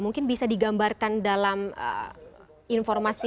mungkin bisa digambarkan dalam informasi